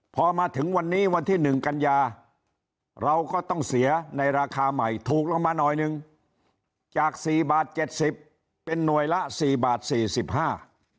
พอมาถึงวันนี้วันที่หนึ่งกันยาเราก็ต้องเสียในราคาใหม่ถูกลงมาหน่อยหนึ่งจากสี่บาทเจ็ดสิบเป็นหน่วยละสี่บาทสี่สิบห้า